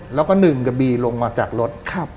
แล้วก็หนึ่งกับบีลงมาจากรถ